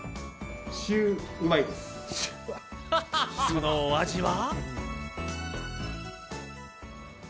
そのお味は。